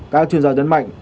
các chuyên gia nhấn mạnh